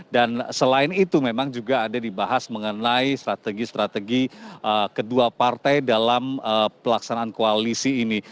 dan selain itu memang juga ada dibahas mengenai strategi strategi kedua partai dalam pelaksanaan koalisi ini